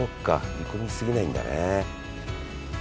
煮込み過ぎないんだね。